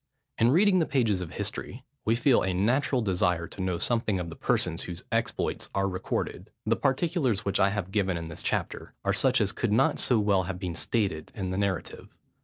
In reading the pages of history, we feel a natural desire to know something of the persons, whose exploits are recorded. The particulars, which I have given in this chapter, are such as could not so well have been stated in the narrative.